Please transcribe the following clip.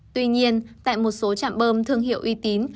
tuy nhiên tại một số chạm bơm thương hiệu uy tín